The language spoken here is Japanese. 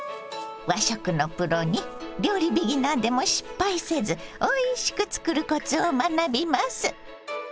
和食のプロに料理ビギナーでも失敗せずおいしく作るコツを学びます！